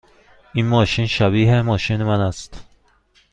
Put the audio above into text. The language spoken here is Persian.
این ماشین شبیه ماشین من است.